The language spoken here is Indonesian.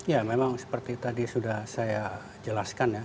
ya memang seperti tadi sudah saya jelaskan ya